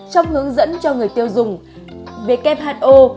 trong hướng dẫn cho người tiêu dùng who